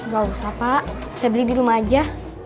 gak usah pak kita beli di rumah aja